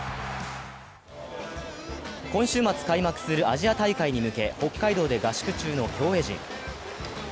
今週末開幕するアジア大会に向け、北海道で合宿中の競泳陣。